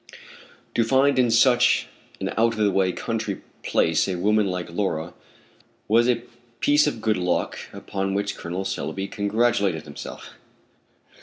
To find in such an out of the way country place a woman like Laura was a piece of good luck upon which Col. Selby congratulated himself.